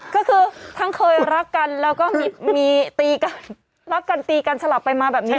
ก็คือทั้งเคยรักกันแล้วก็มีตีกันรักกันตีกันสลับไปมาแบบนี้